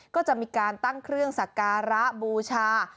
ก็จะมีการตั้งเครื่องสักการะบูชา